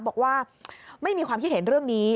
บอกว่าไม่มีความคิดเห็นเรื่องนี้